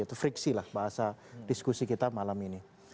itu friksi lah bahasa diskusi kita malam ini